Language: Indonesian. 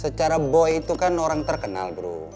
secara boy itu kan orang terkenal bro